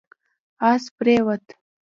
اس پرېووت